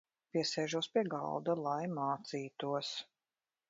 Piesēžos pie galda, lai mācītos.